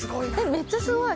めっちゃすごい。